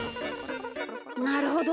なるほど。